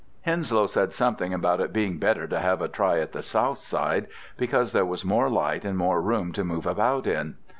Henslow said something about it being better to have a try at the south side, because there was more light and more room to move about in.